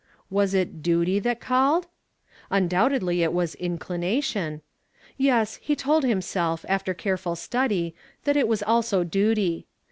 Was it duti/ that called? Un doubtedly it was inclination. Yes, he told him self, after careful study, it was also duty.